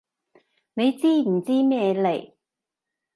你知唔知咩嚟？